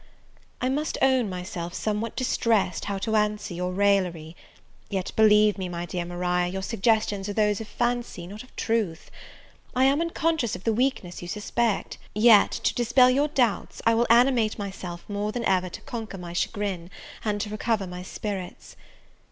I MUST own myself somewhat distressed how to answer your raillery: yet, believe me, my dear Maria, your suggestions are those of fancy, not of truth. I am unconscious of the weakness you suspect; yet, to dispel your doubts, I will animate myself more than ever to conquer my chagrin, and to recover my spirits.